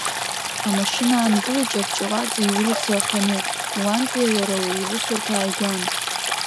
Амашьына аангылеит Ҷавҷаваӡе иулица аханы, уантәи лара лусурҭа ааигәан.